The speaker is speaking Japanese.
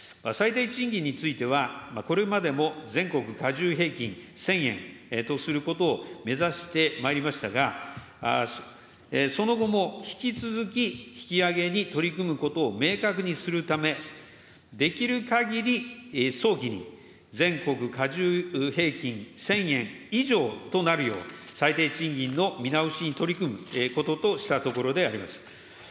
最低賃金については、これまでも全国加重平均１０００円とすることを目指してまいりましたが、その後も引き続き引き上げに取り組むことを明確にするため、できるかぎり早期に、全国加重平均１０００円以上となるよう、最低賃金の見直しに取り組むこととしたところであります。